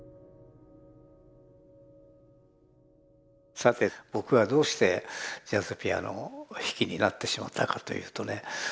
さて僕がどうしてジャズピアノ弾きになってしまったかというとね